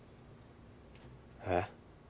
えっ？